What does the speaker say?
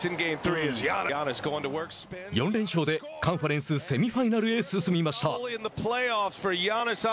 ４連勝でカンファレンスセミファイナルへ進みました。